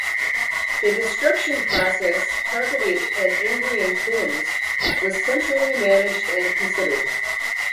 The destruction process targeted at Ingrian Finns was centrally managed and considered.